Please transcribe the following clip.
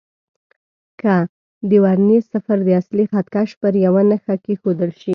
که د ورنيې صفر د اصلي خط کش پر یوه نښه کېښودل شي.